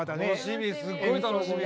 すごい楽しみ。